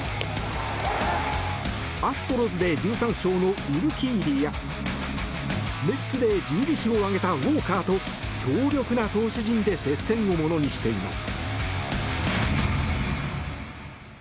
アストロズで１３勝のウルキーディやメッツで１２勝を挙げたウォーカーと強力な投手陣で接戦をものにしています。